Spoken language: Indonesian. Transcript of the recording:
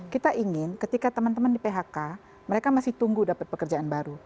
kita ingin ketika teman teman di phk mereka masih tunggu dapat pekerjaan baru